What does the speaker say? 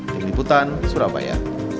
dini putan surabaya